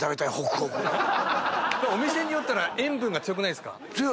お店によったら塩分が強くないですか？